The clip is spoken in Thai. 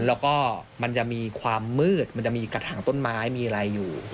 แล้วก็มันจะมีความมืดมันจะมีกระถางต้นไม้มีอะไรอยู่